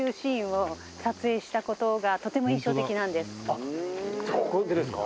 「あっここでですか？」